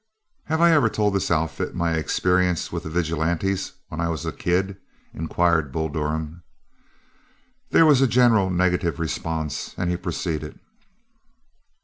"Have I ever told this outfit my experience with the vigilantes when I was a kid?" inquired Bull Durham. There was a general negative response, and he proceeded.